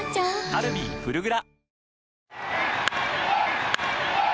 「カルビーフルグラ」